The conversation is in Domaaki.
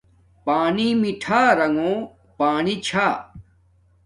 پݳنݵ مِٹھݳ رݣݸ پݳنݵ چھݳ.